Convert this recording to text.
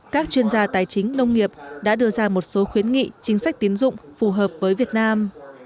các chuyên gia tài chính nông nghiệp đã đưa ra một số khuyến nghị chính sách tiến dụng phù hợp với việt nam